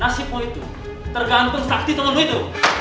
nasibmu itu tergantung sakti telurmu itu